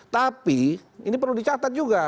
tapi ini perlu dicatat juga